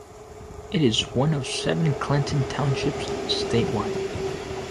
It is one of seven Clinton Townships statewide.